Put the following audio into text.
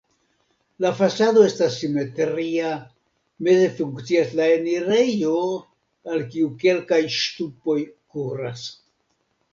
La fasado estas simetria, meze funkcias la enirejo, al kiu kelkaj ŝtupoj kuras.